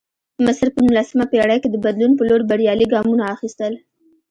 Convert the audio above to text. مصر په نولسمه پېړۍ کې د بدلون په لور بریالي ګامونه اخیستل.